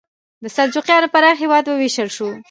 د سلجوقیانو پراخ هېواد وویشل شو.